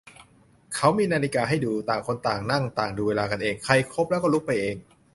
เขามีนาฬิกาให้ดู ต่างคนต่างนั่งต่างดูเวลากันเอง ใครครบแล้วก็ลุกไปเอง